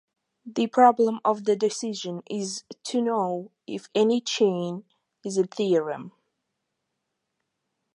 The problem of the decision is to know if any chain is a theorem.